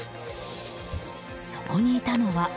そこにいたのは。